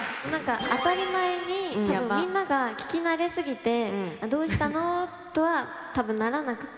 当たり前に多分みんなが聞き慣れすぎて「どうしたの？」とは多分ならなくて。